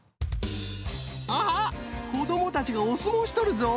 あっこどもたちがおすもうしとるぞ！